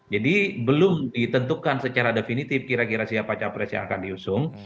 jadi belum ditentukan secara definitif kira kira siapa capres yang akan diusung